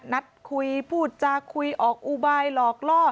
นัดคุยพูดจาคุยออกอุบายหลอกล่อ